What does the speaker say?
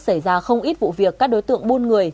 xảy ra không ít vụ việc các đối tượng buôn người